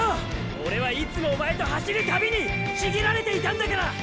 オレはいつもおまえと走る度にちぎられていたんだから！